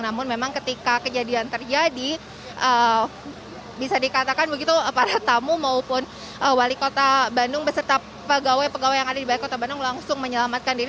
namun memang ketika kejadian terjadi bisa dikatakan begitu para tamu maupun wali kota bandung beserta pegawai pegawai yang ada di balai kota bandung langsung menyelamatkan diri